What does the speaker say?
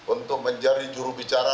untuk menjadi jurubicara